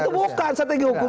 itu bukan strategi hukum